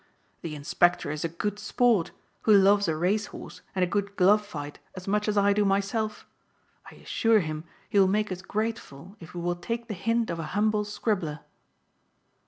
The Inspector is a good sport who loves a race horse and a good glove fight as much as I do myself. I assure him he will make us grateful if he will take the hint of a humble scribbler."